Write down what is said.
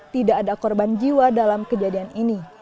tidak ada korban jiwa dalam kejadian ini